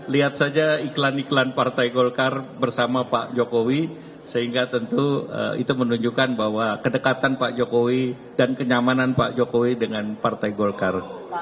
lihat saja iklan iklan partai golkar bersama pak jokowi sehingga tentu itu menunjukkan bahwa kedekatan pak jokowi dan kenyamanan pak jokowi dengan partai golkar